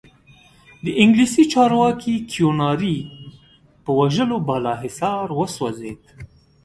د انګلیسي چارواکي کیوناري په وژلو بالاحصار وسوځېد.